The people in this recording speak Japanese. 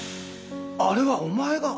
あれはお前が？